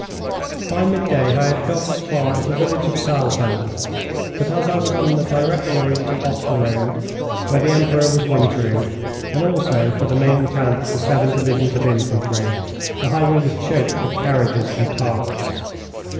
By midday I had got as far as the village of Saalfeldt, but as I was on the direct road for Osterode, where the Emperor was wintering, and also for the main camp of the seven divisions of infantry, the highway was choked with carriages and carts.